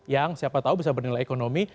yang siapa tahu bisa bernilai ekonomi